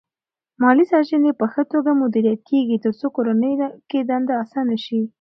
مالی سرچینې په ښه توګه مدیریت کېږي ترڅو کورنۍ کې دنده اسانه شي.